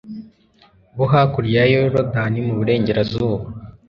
bo hakurya ya yorudani mu burengerazuba